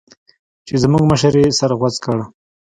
چې زموږ مشر يې سر غوڅ کړ.